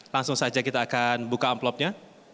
langsung saja kita akan buka amplopnya